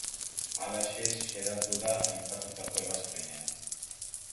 Halaxe xedatu da aipatutako ebazpenean.